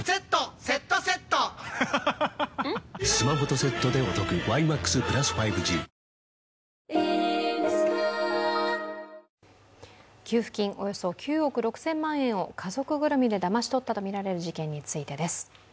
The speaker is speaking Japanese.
この大がかりな不正受給の被害総額は給付金およそ９億６０００万円を家族ぐるみでだまし取ったとみられる事件についてです。